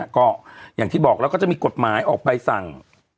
ก็อย่างที่บอกแล้วก็จะมีกฎหมายออกใบสั่ง